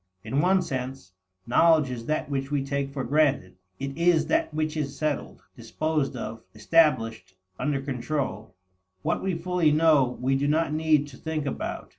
In one sense, knowledge is that which we take for granted. It is that which is settled, disposed of, established, under control. What we fully know, we do not need to think about.